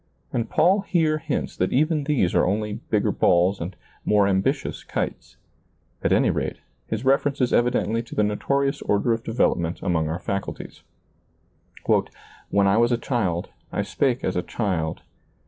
And Paul here hints that even these are only bigger balls and more ambitious kites. At any rate, his reference is evidently to the notorious order of development among our faculties, " When I was a child, I spake as a child